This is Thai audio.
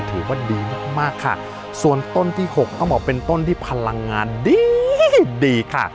ถือว่าดีมากมากค่ะส่วนต้นที่หกต้องบอกเป็นต้นที่พลังงานดีดีค่ะ